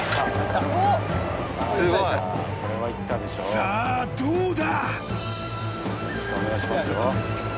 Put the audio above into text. さあどうだ？